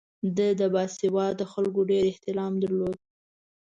ده د باسواده خلکو ډېر احترام درلود.